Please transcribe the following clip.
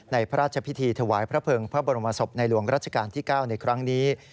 พระราชพิธีถวายพระเภิงพระบรมศพในหลวงรัชกาลที่๙ในครั้งนี้